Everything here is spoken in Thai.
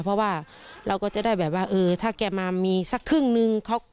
เพราะว่าเราก็จะได้แบบว่าเออถ้าแกมามีสักครึ่งนึง